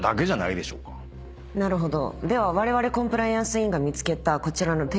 なるほど。